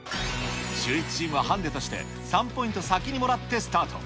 シューイチチームはハンデとして、３ポイント先にもらってスタート。